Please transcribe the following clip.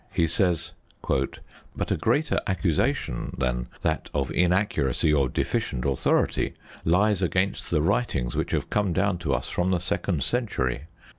He says: But a graver accusation than that of inaccuracy or deficient authority lies against the writings which have come down to us from the second century.